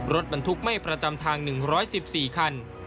รถบรรทุกไม่ประจำทาง๑๑๔คัน